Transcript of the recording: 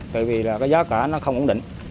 tại vì giá cả nó không ổn định